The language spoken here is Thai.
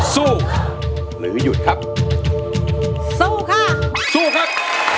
สู้หรือหยุดครับสู้ค่ะสู้ครับ